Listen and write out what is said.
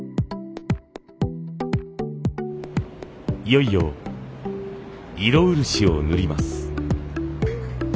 いよいよ色漆を塗ります。